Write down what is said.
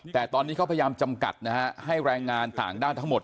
แต่ตอนนี้เขาพยายามจำกัดนะฮะให้แรงงานต่างด้าวทั้งหมด